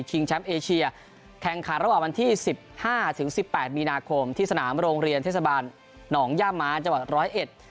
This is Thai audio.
แชมป์เอเชียแข่งขันระหว่างวันที่สิบห้าถึงสิบแปดมีนาคมที่สนามโรงเรียนเทศบาลหนองย่าม้าจังหวัดร้อยเอ็ด